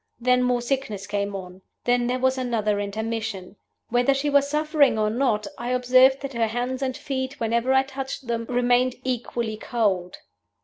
Then more sickness came on. Then there was another intermission. Whether she was suffering or not, I observed that her hands and feet (whenever I touched them) remained equally cold.